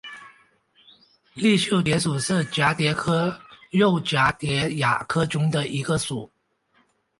绿袖蝶属是蛱蝶科釉蛱蝶亚科中的一个属。